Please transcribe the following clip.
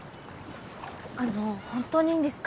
あの本当にいいんですか？